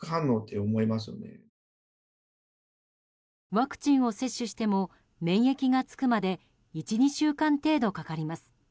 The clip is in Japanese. ワクチンを接種しても免疫がつくまで１２週間程度かかります。